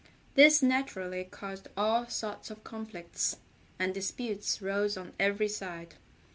This naturally caused all sorts of conflicts, and disputes rose on every side.